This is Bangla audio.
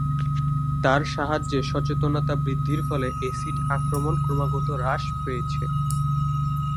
তাঁর সাহায্যে সচেতনতা বৃদ্ধির ফলে, অ্যাসিড আক্রমণ ক্রমাগত হ্রাস পেয়েছে।